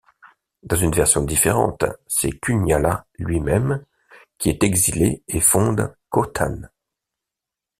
Dans une version différente, c'est Kunãla lui-même qui est exilé et fonde Khotan.